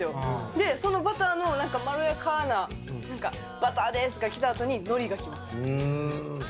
で、そのバターのなんかまろやかな、なんかバターですがきたあとに、のりがきます。